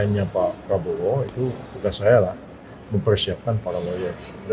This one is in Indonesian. di tkn nya pak prabowo itu bukan saya lah mempersiapkan para lawyer